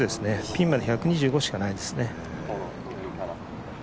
ピンまで１２５しかないですね。